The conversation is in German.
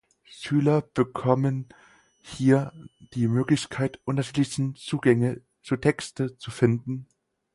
Schüler bekommen hier die Möglichkeit, unterschiedliche Zugänge zu Texten zu finden.